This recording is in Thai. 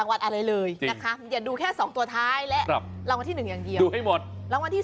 น่าจะเก็บเอาไว้เนอะ